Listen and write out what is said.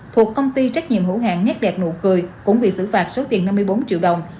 thuộc công ty trách nhiệm hữu hàng nét đẹp nụ cười cũng bị xử phạt số tiền năm mươi bốn triệu đồng